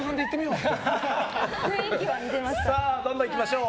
どんどん行きましょう。